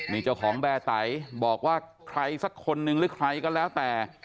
นี่เจ้าของแบร์ไตบอกว่าใครสักคนนึงหรือใครก็แล้วแต่